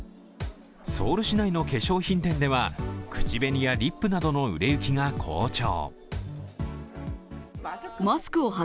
ソウル市内の化粧品店では口紅やリップなどの売れ行きが好調。